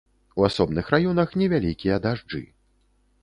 У асобных раёнах невялікія дажджы.